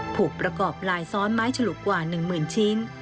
ถูกประกอบลายซ้อนไม้ฉลุกว่า๑๐๐๐ชิ้น